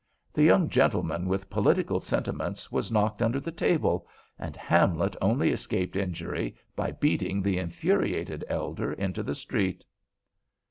The young gentleman with political sentiments was knocked under the table, and Hamlet only escaped injury by beating the infuriated elder into the street.